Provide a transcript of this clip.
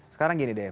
sekarang begini deh